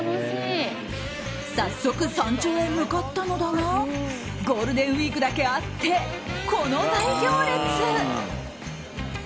早速、山頂へ向かったのだがゴールデンウィークだけあってこの大行列。